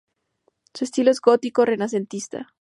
Su estilo es gótico renacentista.